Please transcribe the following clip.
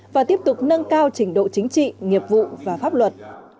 và tiếp tục nâng cao trình độ chính trị nghiệp vụ và pháp luật